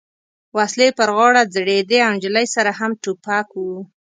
وسلې یې پر غاړه ځړېدې او نجلۍ سره هم ټوپک و.